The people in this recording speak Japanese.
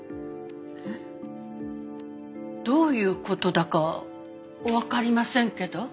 えっ？どういう事だかわかりませんけど。